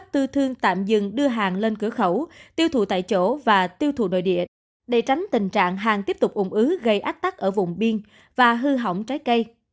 tư thương tạm dừng đưa hàng lên cửa khẩu tiêu thụ tại chỗ và tiêu thụ nội địa để tránh tình trạng hàng tiếp tục ủng ứ gây ách tắc ở vùng biên và hư hỏng trái cây